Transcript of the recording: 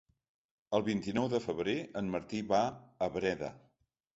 El vint-i-nou de febrer en Martí va a Breda.